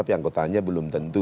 tapi anggotanya belum tentu